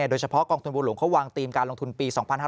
โดยเฉพาะกองทุนบัวหลวงเขาวางธีมการลงทุนปี๒๕๕๙